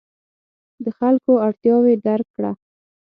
د خلکو اړتیاوې درک کړه.